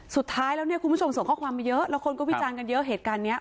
สุดท้ายแล้วเนี่ยคุณผู้ชมส่งข้อความมาเยอะแล้วคนก็วิจารณ์กันเยอะเหตุการณ์นี้